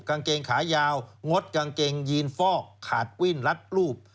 กางเกงขายาวงดกางเกงยีนฟอกขาดวิ่นลัดรูป